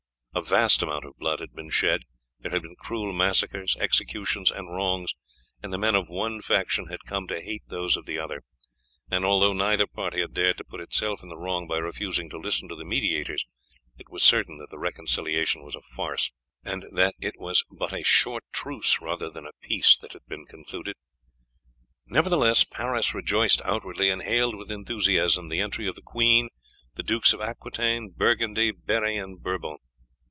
A vast amount of blood had been shed, there had been cruel massacres, executions, and wrongs, and the men of one faction had come to hate those of the other; and although neither party had dared to put itself in the wrong by refusing to listen to the mediators, it was certain that the reconciliation was a farce, and that it was but a short truce rather than a peace that had been concluded. Nevertheless Paris rejoiced outwardly, and hailed with enthusiasm the entry of the queen, the Dukes of Aquitaine, Burgundy, Berri, and Bourbon.